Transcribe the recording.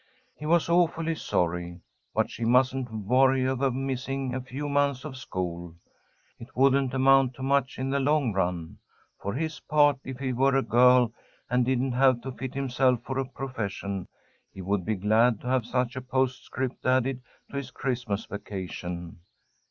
He was awfully sorry. But she mustn't worry over missing a few months of school. It wouldn't amount to much in the long run. For his part, if he were a girl and didn't have to fit himself for a profession, he would be glad to have such a postscript added to his Christmas vacation.